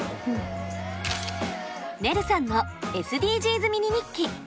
ねるさんのＳＤＧｓミニ日記。